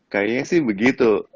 kayaknya sih begitu